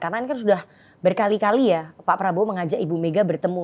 karena kan sudah berkali kali ya pak prabowo mengajak ibu mega bertemu